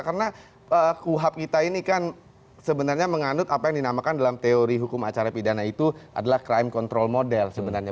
karena kuhab kita ini kan sebenarnya menganut apa yang dinamakan dalam teori hukum acara pidana itu adalah crime control model sebenarnya